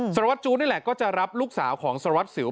สารวัตรจู้นี่แหละก็จะรับลูกสาวของสารวัตรสิว